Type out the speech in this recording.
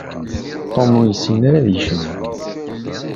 Tom ur yessin ad yecnu.